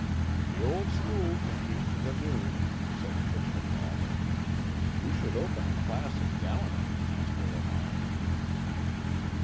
"The old school can teach the new," said Christian Almer. "You should open a class of gallantry, Master Lamont."